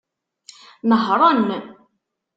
Nehṛen.